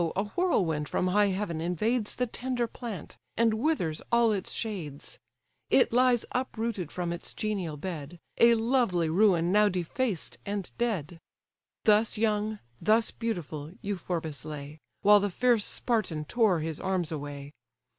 a whirlwind from high heaven invades The tender plant, and withers all its shades; It lies uprooted from its genial bed, A lovely ruin now defaced and dead: Thus young, thus beautiful, Euphorbus lay, While the fierce Spartan tore his arms away.